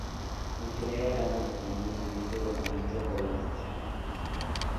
Ingeniero Leandro Fernández, Ministro de Fomento, Colonización e Industria.